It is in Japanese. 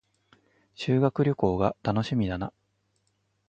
修学旅行が楽しみだな